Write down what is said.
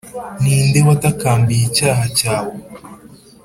ni nde watakambiye icyaha cyawe,